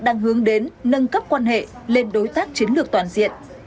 đang hướng đến nâng cấp quan hệ lên đối tác chiến lược toàn diện